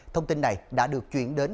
thông tin này đã được chuyển đến